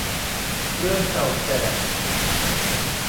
เรื่องเก่าแก่